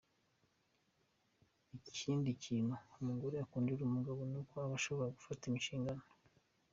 Ikindi kintu umugore akundira umugabo ni uko aba ashobora gufata inshingano.